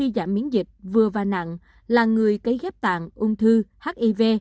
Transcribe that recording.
giảm miễn dịch vừa và nặng là người cấy ghép tạng ung thư hiv